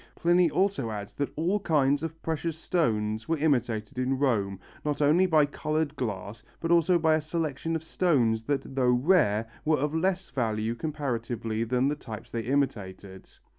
Pliny also adds that all kinds of precious stones were imitated in Rome, not only by coloured glass but also by a selection of stones that, though rare, were of less value comparatively than the types they imitated.